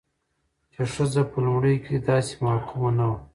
چې ښځه په لومړيو کې داسې محکومه نه وه،